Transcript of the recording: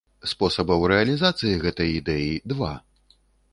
Спосабаў рэалізацыі гэтай ідэі два.